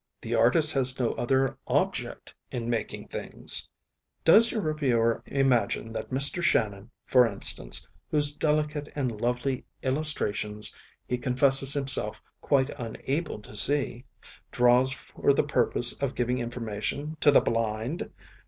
The artist has no other object in making things. Does your reviewer imagine that Mr. Shannon, for instance, whose delicate and lovely illustrations he confesses himself quite unable to see, draws for the purpose of giving information to the blind?